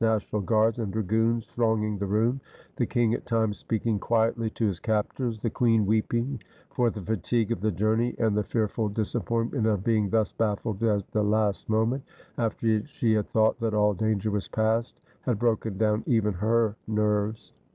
National Guards, and dragoons thronging the room ; the king at times speaking quietly to his captors; the queen weeping; for the fatigue of the journey and the fearful disappointment of being thus bafSed at the last moment, after she had thought that all danger was passed, had broken down even her nerves.